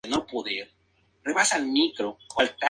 Fue reducido por la tripulación y el vuelo aterrizó sin incidentes.